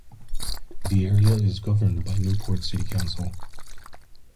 The area is governed by the Newport City Council.